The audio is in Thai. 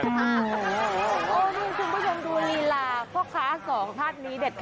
โอ้โหนี่คุณผู้ชมดูลีลาพ่อค้าสองท่านนี้เด็ดค่ะ